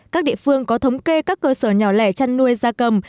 các địa phương có thống kê các cơ sở nhỏ lẻ chăn nuôi da cầm